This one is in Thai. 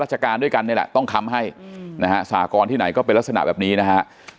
ราชการด้วยกันนี่แหละต้องค้ำให้นะฮะสากรที่ไหนก็เป็นลักษณะแบบนี้นะฮะ